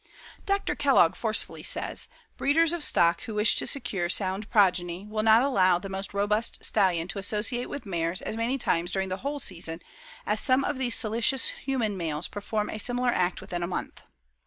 Dr. Kellogg forcefully says: "Breeders of stock who wish to secure sound progeny will not allow the most robust stallion to associate with mares as many times during the whole season as some of these salacious human males perform a similar act within a month."